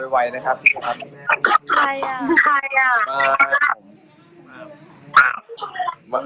หลุดหล่อจัง